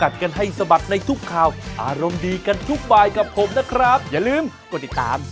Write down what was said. สังเบตและอย่างเหมือนไฟ